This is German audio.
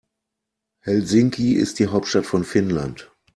Helsinki ist die Hauptstadt von Finnland.